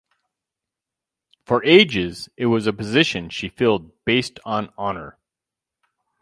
For ages, it was a position she filled based on honor.